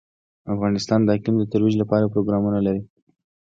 افغانستان د اقلیم د ترویج لپاره پروګرامونه لري.